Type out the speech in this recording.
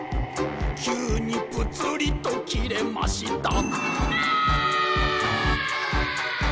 「急にぷつりと切れました。」